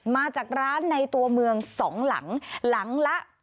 มาจากร้านในตัวเมืองสองหลังหลังละ